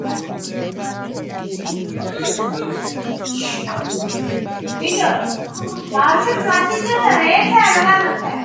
სხეული დაფარულია ხშირი, მოკლე და ხავერდოვანი ბეწვით, რომელსაც ხაო არ აქვს.